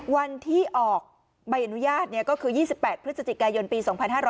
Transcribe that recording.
วันที่ออกใบอนุญาตก็คือ๒๘พฤศจิกายนปี๒๕๕๙